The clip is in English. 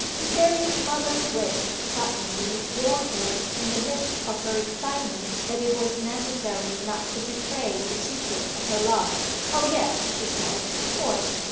Cytherea's mother wit suddenly warned her in the midst of her excitement that it was necessary not to betray the secret of her love. 'O yes,' she said, 'of course.